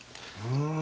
うん。